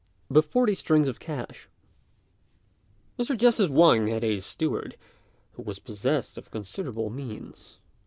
THE FORTY STRINGS OF CASH. Mr. Justice Wang had a steward, who was possessed of considerable means.